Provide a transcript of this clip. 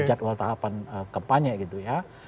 jadwal tahapan kampanye gitu ya